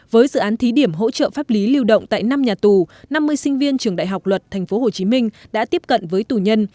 với dự án thí điểm hỗ trợ pháp lý lưu động tại năm nhà tù năm mươi sinh viên trường đại học luật tp hcm đã tiếp cận với tù nhân